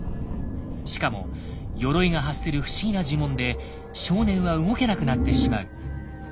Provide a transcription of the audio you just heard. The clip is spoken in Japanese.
しかもヨロイが発する不思議な呪文で少年は動けなくなってしまう。